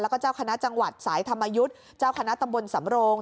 แล้วก็เจ้าคณะจังหวัดสายธรรมยุทธ์เจ้าคณะตำบลสำโรง